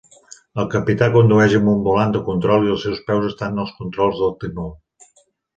El capità condueix amb un volant de control i els seus peus estan als controls del timó.